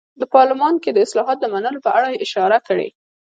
د پارلمان کې د اصلاحاتو د منلو په اړه یې اشاره کړې.